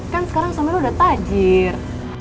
kan sekarang suami lo udah tajir